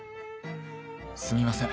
すみません